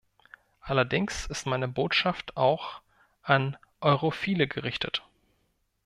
Allerdings ist meine Botschaft auch an Europhile gerichtet.